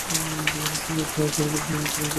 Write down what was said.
বিধি-নিষেধের মধ্যে আমরা জড়ীভূত হইয়া মৃত্যু বরণ করি।